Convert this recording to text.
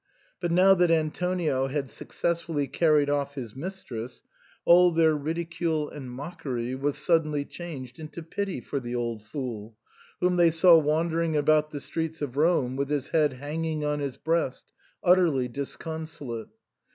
But now that Antonio had successfully carried off his mistress, all their ridicule and mockery was suddenly changed into pity for the old fool, whom they saw wandering about the streets of Rome with his head hanging on his breast, utterly disconsolate.